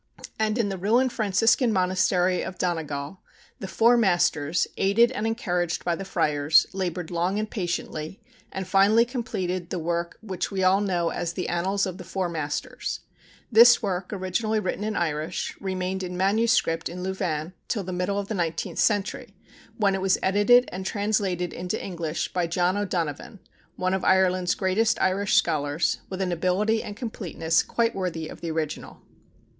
And in the ruined Franciscan monastery of Donegal, the Four Masters, aided and encouraged by the Friars, labored long and patiently, and finally completed the work which we all know as the Annals of the Four Masters. This work, originally written in Irish, remained in manuscript in Louvain till the middle of the nineteenth century, when it was edited and translated into English by John O'Donovan, one of Ireland's greatest Irish scholars, with an ability and completeness quite worthy of the original.